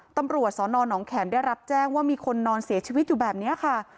ตำรวจสนหนองแขมได้รับแจ้งว่ามีคนนอนเสียชีวิตอยู่แบบนี้ค่ะ